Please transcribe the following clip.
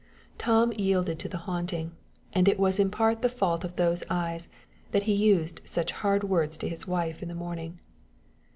Tom yielded to the haunting, and it was in part the fault of those eyes that he used such hard words to his wife in the morning.